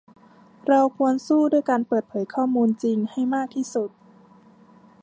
เราควรสู้ด้วยการเปิดเผยข้อมูลจริงให้มากที่สุด